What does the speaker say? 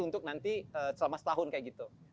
untuk nanti selama setahun kayak gitu